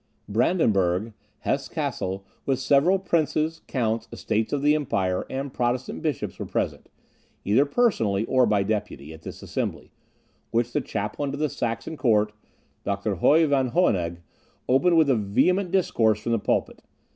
Brandenburg, Hesse Cassel, with several princes, counts, estates of the empire, and Protestant bishops were present, either personally or by deputy, at this assembly, which the chaplain to the Saxon Court, Dr. Hoe von Hohenegg, opened with a vehement discourse from the pulpit.